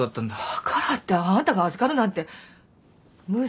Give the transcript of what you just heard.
だからってあんたが預かるなんて無責任じゃないの？